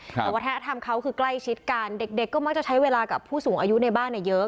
แต่วัฒนธรรมเขาคือใกล้ชิดกันเด็กก็มักจะใช้เวลากับผู้สูงอายุในบ้านเยอะ